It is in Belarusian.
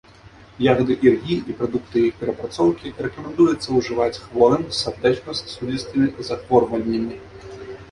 Ягады іргі і прадукты іх перапрацоўкі рэкамендуецца ўжываць хворым з сардэчна-сасудзістымі захворваннямі.